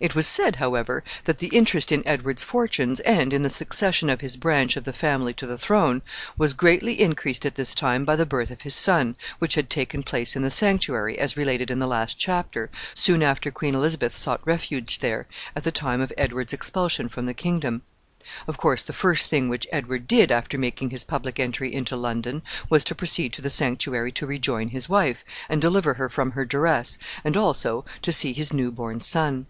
It was said, however, that the interest in Edward's fortunes, and in the succession of his branch of the family to the throne, was greatly increased at this time by the birth of his son, which had taken place in the sanctuary, as related in the last chapter, soon after Queen Elizabeth sought refuge there, at the time of Edward's expulsion from the kingdom. Of course, the first thing which Edward did after making his public entry into London was to proceed to the sanctuary to rejoin his wife, and deliver her from her duress, and also to see his new born son.